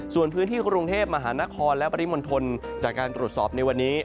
ส่วนพื้นที่กรุงเทพมหานครและปริมณฑลจากการตรวจสอบในวันนี้